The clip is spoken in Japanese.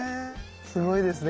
すごいですね。